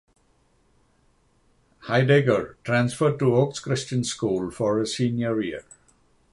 Heidegger transferred to Oaks Christian School for his senior year.